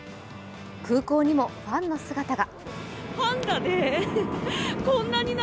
空港にもファンの姿が。